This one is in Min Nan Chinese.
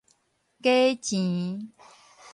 假錢